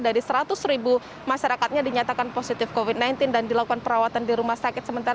dari seratus ribu masyarakatnya dinyatakan positif covid sembilan belas dan dilakukan perawatan di rumah sakit sementara